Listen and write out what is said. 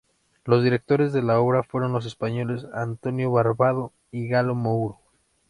Los directores de la obra fueron los españoles Antonio Barbado y Galo Mouro.